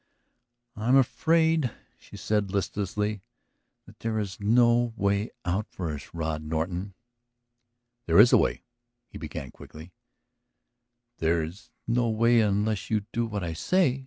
"I am afraid," she said listlessly, "that there is no way out for us, Rod Norton." "There is a way!" he began quickly "There is no way unless you do what I say.